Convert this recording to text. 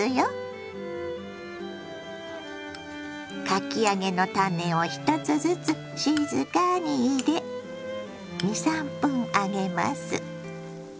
かき揚げのタネを１つずつ静かに入れ２３分揚げます。